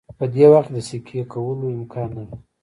په دې وخت کې د سکی کولو امکان نه وي